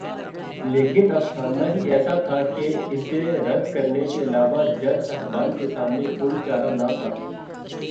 لیکن افسانہ ہی ایسا تھا کہ اسے رد کرنے کے علاوہ جج صاحبان کے سامنے کوئی چارہ نہ تھا۔